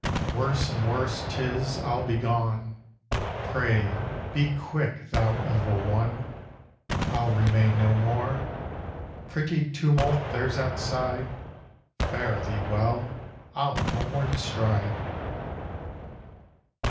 Worse and worse 'tis! I'll begone. Pray be quick, thou Evil One! I'll remain no more. Pretty tumult there's outside! Fare thee well I'll homeward stride.